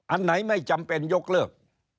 อันไหนไม่จำเป็นยกเลิก